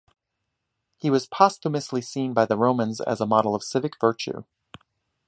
He was posthumously seen by the Romans as a model of civic virtue.